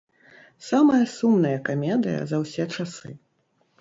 Самая сумнае камедыя за ўсе часы!